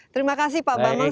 terima kasih pak bambang